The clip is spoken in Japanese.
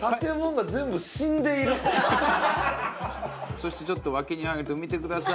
そしてちょっと脇に入ると見てください。